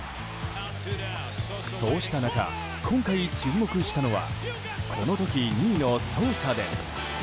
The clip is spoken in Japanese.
そうした中、今回注目したのはこの時２位のソーサです。